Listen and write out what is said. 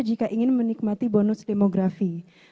jika ingin menikmati bonus demografi